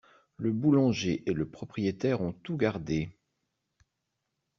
Le boulanger et le propriétaire ont tout gardé!